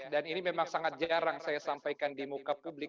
dan ini memang sangat jarang saya sampaikan di muka publik